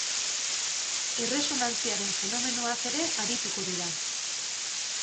Erresonantziaren fenomenoaz ere arituko dira.